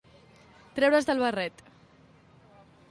Treure's del barret.